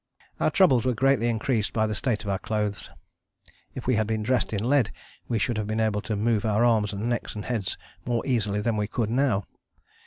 Our troubles were greatly increased by the state of our clothes. If we had been dressed in lead we should have been able to move our arms and necks and heads more easily than we could now.